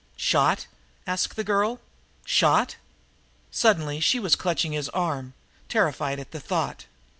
"Shot?" asked the girl. "Shot?" Suddenly she was clutching his arm, terrified at the thought.